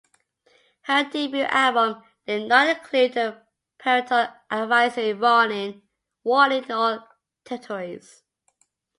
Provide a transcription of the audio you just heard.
Her debut album did not include a Parental Advisory warning in all territories.